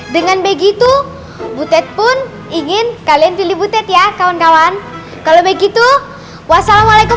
dengan begitu butet pun ingin kalian pilih butet ya kawan kawan kalau begitu wassalamualaikum